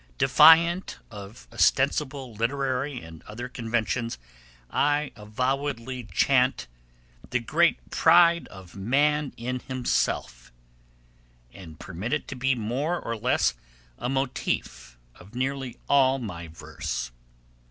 Defiant of ostensible literary and other conventions, I avowedly chant 'the great pride of man in himself,' and permit it to be more or less a motif of nearly all my verse.